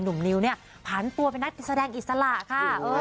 หนุ่มนิวเนี่ยผ่านตัวเป็นนักดินแสดงอิสระค่ะ